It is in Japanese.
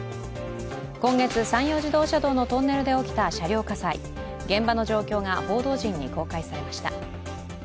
今月山陽自動車道のトンネルで起きた車両火災現場の状況が報道陣に公開されました。